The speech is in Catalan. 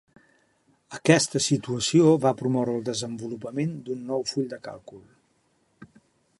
Aquesta situació va promoure el desenvolupament d'un nou full de càlcul.